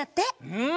うん！